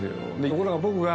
ところが僕が。